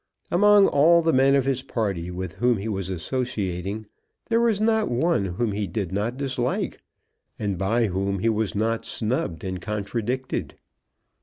Among all the men of his party with whom he was associating, there was not one whom he did not dislike, and by whom he was not snubbed and contradicted.